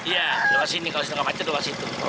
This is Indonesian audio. iya lewat sini kalau setengah macet lewat situ